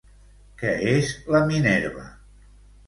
Què és la Minerva?